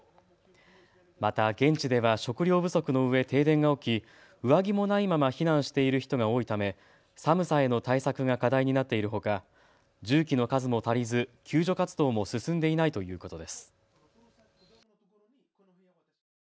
また現地では食糧不足のうえ停電が起き上着もないまま避難している人が多いため寒さへの対策が課題になっているほか重機の数も足りず救助活動も進んでいないということです。